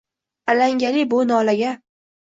Alangali bu nolaga